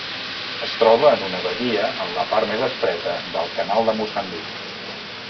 Es troba en una badia en la part més estreta del Canal de Moçambic.